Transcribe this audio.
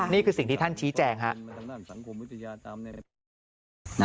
นี่คือสิ่งที่ท่านชี้แจ้ง